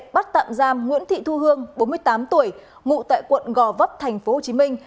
bắt tạm giam nguyễn thị thu hương bốn mươi tám tuổi ngụ tại quận gò vấp thành phố hồ chí minh